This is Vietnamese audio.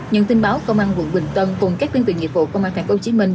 những tin báo công an quận bình tân cùng các đơn vị nghiệp vụ công an thành phố hồ chí minh